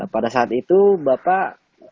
pada saat itu bapak